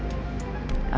nggak bisa jelas ya